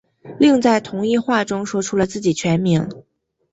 另在同一话中说出了自己全名。